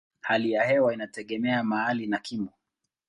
Hali ya hewa inategemea mahali na kimo.